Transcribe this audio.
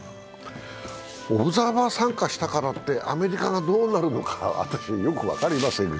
オブザーバー参加したからって、アメリカがどうなるのか私もよく分かりませんが。